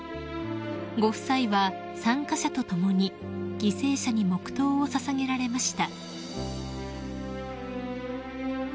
［ご夫妻は参加者と共に犠牲者に黙とうを捧げられました］